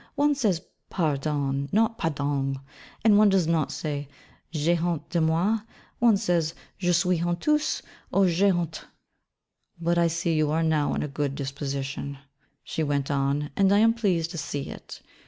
One says "pardon," not "pardong "; and one does not say "J'ai honte de moi," but one says "Je suis honteuse," or "J'ai honte." 'But I see you are now in a good disposition,' she went on, 'and I am pleased to see it.